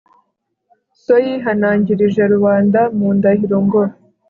so yihanangirije rubanda mu ndahiro ngo